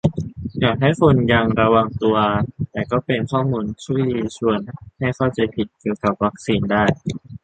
อยากให้คนยังระวังตัว แต่ก็เป็นข้อมูลที่ชวนให้เข้าใจผิดเกี่ยวกับวัคซีนได้